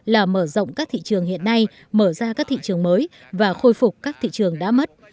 là mở rộng các thị trường hiện nay mở ra các thị trường mới và khôi phục các thị trường đã mất